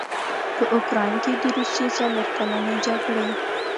په اوکراین کې د روسیې څلورکلنې جګړې